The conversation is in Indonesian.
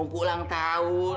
mau ke ulang tahun